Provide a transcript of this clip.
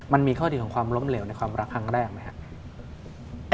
มันมีข้อดีของความล้มเหลวในความรักครั้งแรกไหมครับ